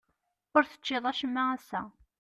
Ur teččiḍ acemma ass-a?